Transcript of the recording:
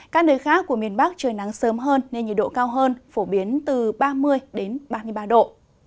các nơi khác của miền bắc trời nắng sớm hơn nên nhiệt độ cao hơn phổ biến từ ba mươi ba mươi ba độ